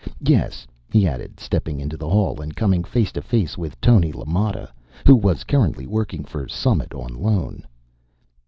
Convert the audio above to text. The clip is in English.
Yes," he added, stepping into the hall and coming face to face with Toni LaMotta, who was currently working for Summit on loan.